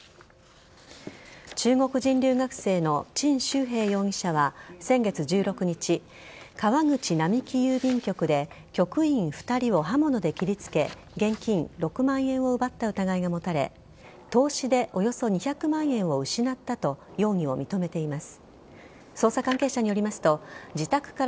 中国人留学生のチン・シュウヘイ容疑者は先月１６日、川口並木郵便局で局員２人を刃物で切りつけ現金６万円を奪った疑いが持たれ投資でおよそ２００万円を失ったと容疑を認めています。